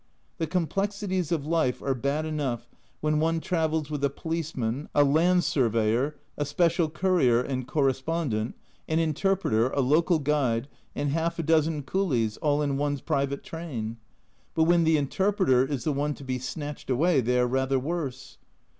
The complexities of life are bad enough when one travels with a policeman, a land surveyor, a special courier and correspondent, an interpreter, a local guide, and half a dozen coolies, all in one's private train ! But when the interpreter is the one to be snatched away, they are rather worse.